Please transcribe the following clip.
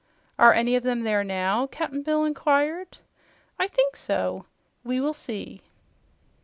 "Are any of them there now?" Cap'n Bill inquired. "I think so. We will see."